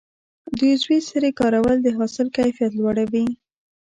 د عضوي سرې کارول د حاصل کیفیت لوړوي.